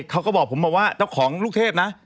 เขาก็บอกผมมาว่าเจ้าของลูกเทพนะ